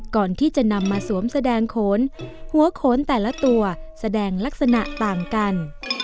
ก่อนที่จะนำมาสวมแสดงโขนหัวโขนแต่ละตัวแสดงลักษณะต่างกัน